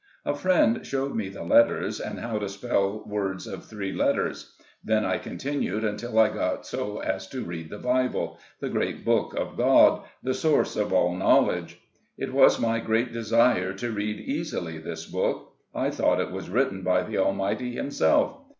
A friend showed me the letters, and how to spell words of three letters. Then I continued, until I got so as to read the Bible — the great book of God — the source of all knowledge. It was my great desire to read easily this book. I thought it was written by the Almighty himself.